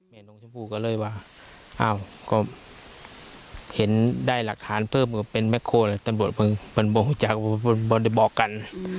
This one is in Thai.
แม่น้องชมพู่ก็เลยว่าเห็นได้หลักฐานเพิ่มเป็นแบคโฮตำรวจมันบอกกัน